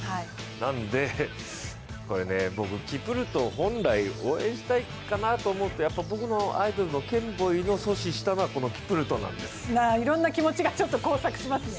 なのでキプルトを本来応援したいかなと思うと、僕のアイドルのケンボイを阻止したのはキプルトなんです。